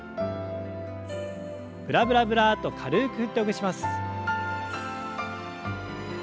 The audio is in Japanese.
ブラブラブラッと軽く振ってほぐします。